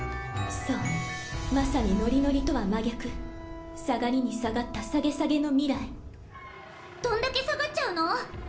そうまさにノリノリとは真逆下がりに下がったサゲサゲの未来どんだけ下がっちゃうの！？